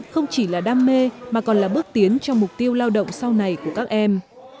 không chỉ là đam mê mà còn là bước tiến trong mục tiêu lao động sau này của các em